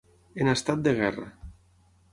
En estat de guerra.